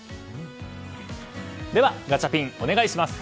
では、ガチャピンお願いします。